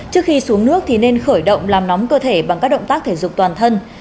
trước khi xuống nước thì nên khởi động làm nóng cơ thể bằng các động tác thể dục toàn thân